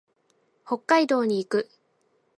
北海道に行く。